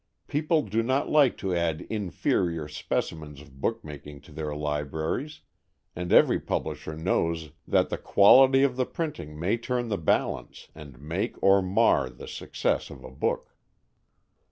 People do not like to add inferior specimens of book making to their libraries, and every publisher knows that the quality of the printing may turn the balance and make or mar the success of a book.